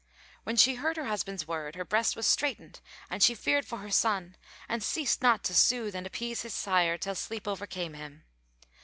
[FN#440] When she heard her husband's words, her breast was straitened and she feared for her son and ceased not to soothe and appease his sire, till sleep overcame him.